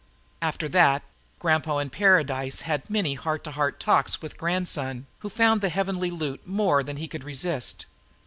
After that, Grandpa in paradise had many heart to heart talks with Grandson, who found the heavenly loot more than he could resist.